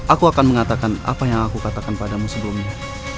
aku akan mengatakan apa yang aku katakan padamu sebelumnya